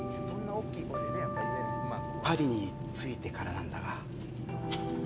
パリに着いてからなんだが。